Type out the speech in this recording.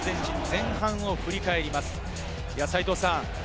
前半を振り返ります。